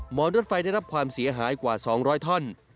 อนรถไฟได้รับความเสียหายกว่า๒๐๐ท่อน